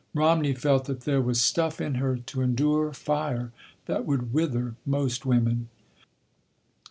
Romney felt that there was stuff in her to endure fire that would wither most women.